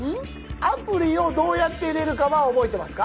アプリをどうやって入れるかは覚えてますか？